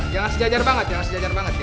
jangan sejajar banget jangan sejajar banget ya